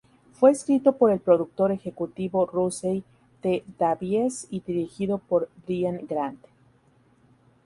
Fue escrito por el productor ejecutivo Russell T Davies y dirigido por Brian Grant.